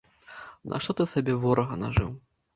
Нашто ты сабе ворага нажыў?